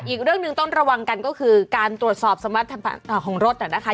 อีกเรื่องหนึ่งต้องระวังกันก็คือการตรวจสอบสมรรถของรถนะคะ